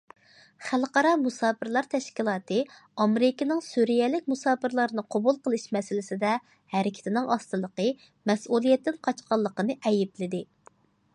خەلقئارا مۇساپىرلار تەشكىلاتى ئامېرىكىنىڭ سۈرىيەلىك مۇساپىرلارنى قوبۇل قىلىش مەسىلىسىدە ھەرىكىتىنىڭ ئاستىلىقى، مەسئۇلىيەتتىن قاچقانلىقىنى ئەيىبلىدى.